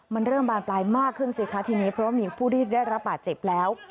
มันเริ่มบานปลายมากขึ้นสิคะทีนี้เพราะว่ามีผู้ที่ได้รับบาดเจ็บแล้ว